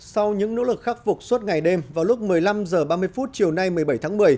sau những nỗ lực khắc phục suốt ngày đêm vào lúc một mươi năm h ba mươi chiều nay một mươi bảy tháng một mươi